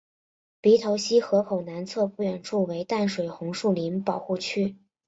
鼻头溪河口南侧不远处为淡水红树林保护区。